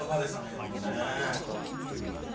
今のね。